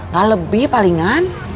gak lebih palingan